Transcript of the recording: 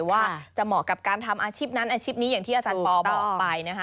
ว่าจะเหมาะกับการทำอาชีพนั้นอาชีพนี้อย่างที่อาจารย์ปอบอกไปนะคะ